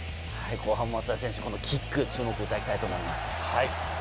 後半も松田選手のキックに注目いただきたいと思います。